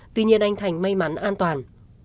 tuy nhiên anh thành may mắn an toàn